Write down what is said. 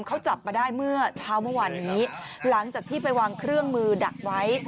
เขาจับมาได้เมื่อเช้าเมื่อวานนี้หลังจากที่ไปวางเครื่องมือดักไว้